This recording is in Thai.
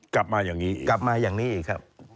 กลับมาอย่างนี้อีกครับ